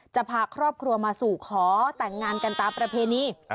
จะพาครอบครัวมาสู่ขอแต่งงานกันตามประเพณี